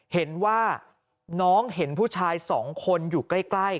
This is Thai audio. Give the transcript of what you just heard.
เห็นว่าน้องเห็นผู้ชาย๒คนอยู่ใกล้